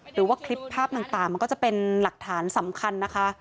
หรือว่าคลิปภาพต่างมันก็จะเป็นหลักฐานสำคัญนะคะ